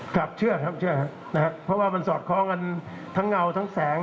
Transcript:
ครับเชื่อครับเชื่อครับนะครับเพราะว่ามันสอดคล้องกันทั้งเงาทั้งแสง